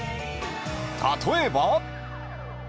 ［例えば］